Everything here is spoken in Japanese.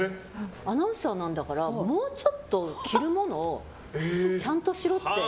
アナウンサーなんだからもうちょっと着るものをちゃんとしろって。